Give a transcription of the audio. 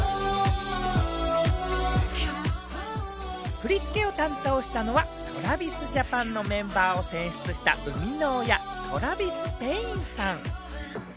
振り付けを担当したのはＴｒａｖｉｓＪａｐａｎのメンバーを選出した生みの親、トラヴィス・ペインさん。